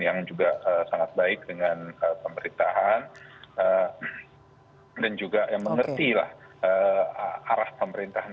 yang juga sangat baik dengan pemerintahan dan juga yang mengertilah arah pemerintahan